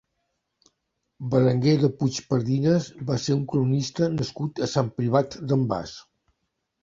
Berenguer de Puigpardines va ser un cronista nascut a Sant Privat d'en Bas.